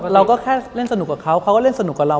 เราก็แค่เล่นสนุกกับเขาเขาก็เล่นสนุกกับเรา